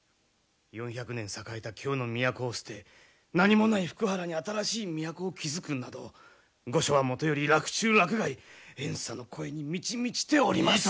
４００年栄えた京の都を捨て何もない福原に新しい都を築くなど御所はもとより洛中洛外怨嗟の声に満ち満ちております。